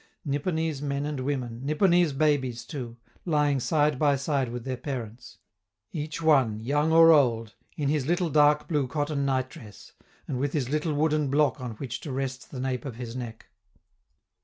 Nipponese men and women, Nipponese babies too, lying side by side with their parents; each one, young or old, in his little dark blue cotton nightdress, and with his little wooden block on which to rest the nape of his neck.